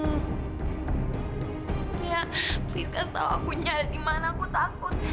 nya please kasih tau aku nya ada di mana aku takut